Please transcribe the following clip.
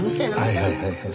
はいはいはいはい。